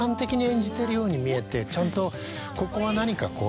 ちゃんとここは何かこう。